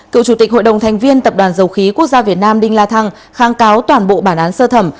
cựu chủ tịch hội đồng thành viên tập đoàn dầu khí quốc gia việt nam đinh la thăng kháng cáo toàn bộ bản án sơ thẩm